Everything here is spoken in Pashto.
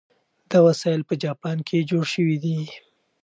دا وسایل په جاپان کې جوړ شوي دي.